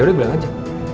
ya udah bilang aja